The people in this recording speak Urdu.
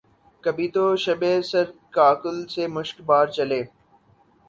کبھی تو شب سر کاکل سے مشکبار چلے